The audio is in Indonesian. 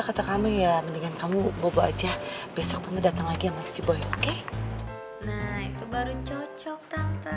kata kami ya mendingan kamu bobo aja besoknya datang lagi masih boy oke nah itu baru cocok